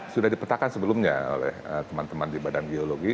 sudah dipetakan sebelumnya oleh teman teman di badan geologi